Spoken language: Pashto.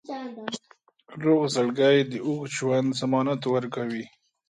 روغ زړګی د اوږد ژوند ضمانت ورکوي.